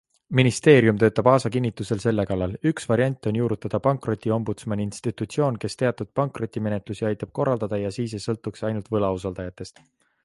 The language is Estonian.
Ministeerium töötab Aasa kinnitusel selle kallal - üks variant on juurutada pankrotiombudsmani institutsioon, kes teatud pankrotimenetlusi aitab korraldada, ja siis ei sõltuks see ainult võlausaldajatest.